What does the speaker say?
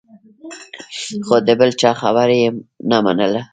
خو د بل چا خبره یې نه منله.